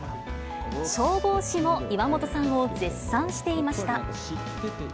消防士も、岩本さんを絶賛していました。